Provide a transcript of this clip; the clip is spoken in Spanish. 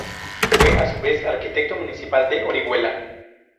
Fue a su vez arquitecto municipal de Orihuela.